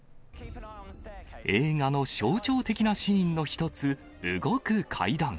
映画の象徴的なシーンの一つ、動く階段。